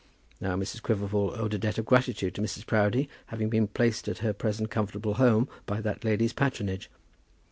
Now Mrs. Quiverful owed a debt of gratitude to Mrs. Proudie, having been placed in her present comfortable home by that lady's patronage.